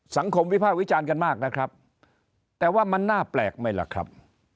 วิภาควิจารณ์กันมากนะครับแต่ว่ามันน่าแปลกไหมล่ะครับ